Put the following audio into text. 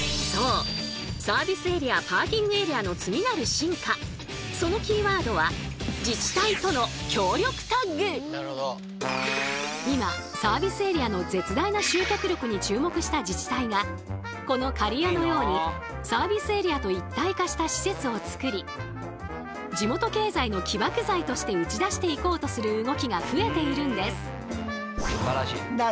実はそうそのキーワードは今サービスエリアの絶大な集客力に注目した自治体がこの刈谷のようにサービスエリアと一体化した施設をつくり地元経済の起爆剤として打ち出していこうとする動きが増えているんです。